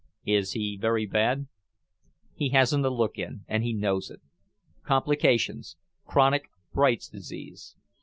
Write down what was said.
"Is he very bad?" "He hasn't a look in, and he knows it. Complications; chronic Bright's disease.